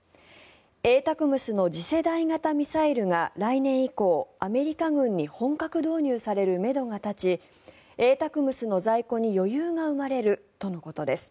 ＡＴＡＣＭＳの次世代型ミサイルが来年以降、アメリカ軍に本格導入されるめどが立ちＡＴＡＣＭＳの在庫に余裕が生まれるとのことです。